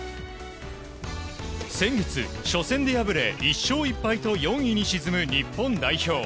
先月初戦で敗れ、１勝１敗と４位に沈む日本代表。